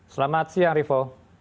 selamat siang rivo